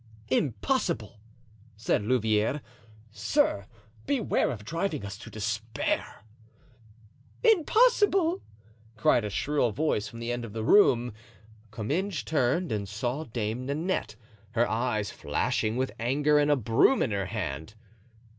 "Impossible!" said Louvieres; "sir, beware of driving us to despair." "Impossible!" cried a shrill voice from the end of the room. Comminges turned and saw Dame Nanette, her eyes flashing with anger and a broom in her hand.